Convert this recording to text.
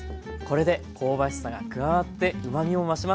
これで香ばしさが加わってうまみも増します。